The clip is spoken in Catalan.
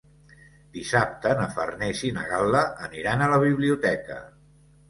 Dissabte na Farners i na Gal·la aniran a la biblioteca.